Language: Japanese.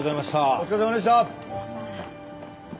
お疲れさまでした。